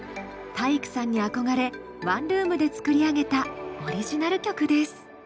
体育さんに憧れワンルームで作り上げたオリジナル曲です。